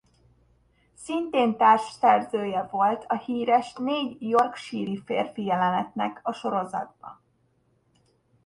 Szintén társszerzője volt a híres Négy Yorkshire-i férfi jelenetnek a sorozatba.